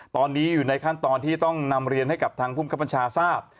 ตอนนี้อยู่ในขั้นตอนที่ต้องนำเรียนให้กับทางภูมิคับบัญชาทราบ